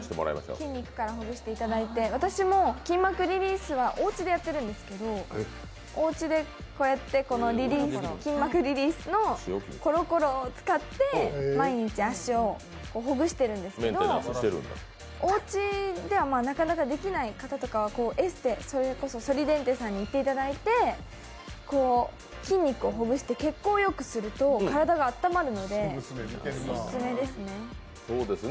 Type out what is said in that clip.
筋肉からほぐしていただいて、私も筋膜リリースはおうちでやってるんですけど、おうちでこうやって筋膜リリースのコロコロを使って毎日足をほぐしてるんですけど、おうちではなかなかできない方とかはエステ、それこそソリデンテさんに行っていただいて筋肉をほぐして血行をよくすると体が温まるのでオススメです。